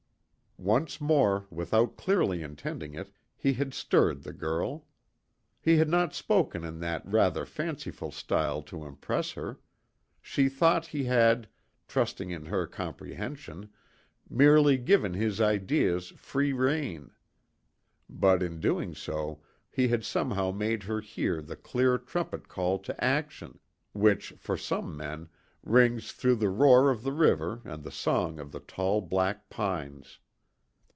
Once more, without clearly intending it, he had stirred the girl. He had not spoken in that rather fanciful style to impress her; she thought he had, trusting in her comprehension, merely given his ideas free rein. But in doing so he had somehow made her hear the clear trumpet call to action, which, for such men, rings through the roar of the river and the song of the tall black pines.